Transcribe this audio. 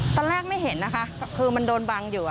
ตอนแรกไม่เห็นนะคะคือมันโดนบังอยู่